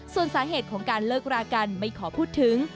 ส่วนสาเหตุของการเลิกรากันไม่ขอพูดถึง